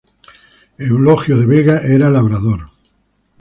Eulogio de Vega era labrador.